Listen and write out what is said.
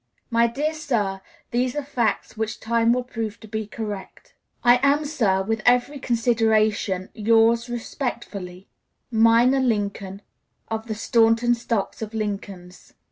My dear sir, these are facts which time will prove to be correct. "I am, sir, with every consideration, yours respectfully, "MINOR LINCOLN, "Of the Staunton stock of Lincolns."